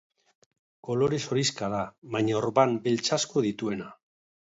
Kolorez horixka da, baina orban beltz asko dituena.